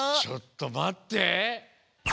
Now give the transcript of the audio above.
ちょっとまって！